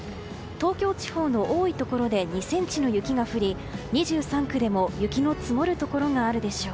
東京地方の多いところで２ｃｍの雪が降り２３区でも雪の積もるところがあるでしょう。